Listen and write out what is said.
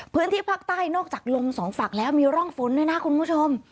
พื้นที่ภาคใต้นอกจากลมสองฝั่งแล้วมีร่องฝนด้วยนะคุณผู้ชม